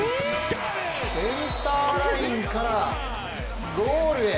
センターラインからゴールへ。